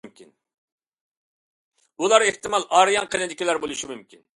ئۇلار ئېھتىمال ئارىيان قېنىدىكىلەر بولۇشى مۇمكىن.